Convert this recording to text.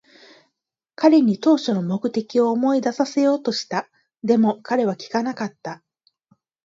彼に当初の目的を思い出させようとした。でも、彼は聞かなかった。